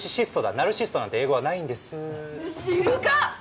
ナルシストなんて英語はないんで知るか。